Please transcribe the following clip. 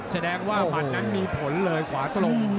แสดงว่าหมัดนั้นมีผลเลยขวาตรง